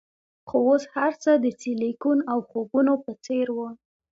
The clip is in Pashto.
خو اوس هرڅه د سیلیکون او خوبونو په څیر وو